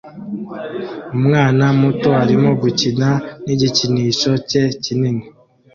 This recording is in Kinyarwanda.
Umwana muto arimo gukina nigikinisho cye kinini